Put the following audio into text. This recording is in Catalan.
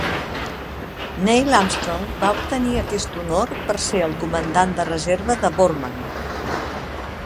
Neil Armstrong va obtenir aquest honor per ser el comandant de reserva de Borman.